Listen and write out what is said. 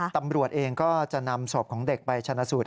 ตำรวจเองก็จะนำศพของเด็กไปชนะสูตร